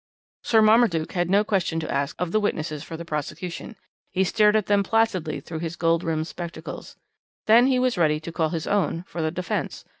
"Sir Marmaduke had no question to ask of the witnesses for the prosecution; he stared at them placidly through his gold rimmed spectacles. Then he was ready to call his own for the defence.